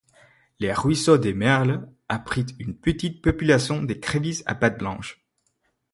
Le ruisseau des Merles abrite une petite population d'Écrevisse à pattes blanches.